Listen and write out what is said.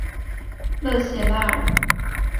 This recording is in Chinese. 勒谢拉尔。